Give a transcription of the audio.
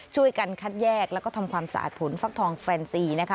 ช่วยกันคัดแยกแล้วก็ทำความสะอาดผลฟักทองแฟนซีนะคะ